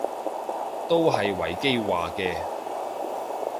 都係維基話嘅